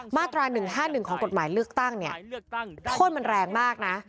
มาตรา๑๕๑ของกฎหมายเลือกตั้งเนี่ยโทษมันแรงมากนะ